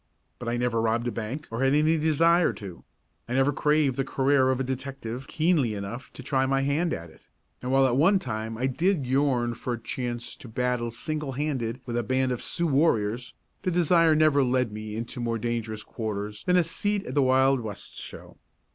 But I never robbed a bank or had any desire to; I never craved the career of a detective keenly enough to try my hand at it, and while at one time I did yearn for a chance to battle single handed with a band of Sioux warriors, the desire never led me into more dangerous quarters than a seat at the Wild West Show.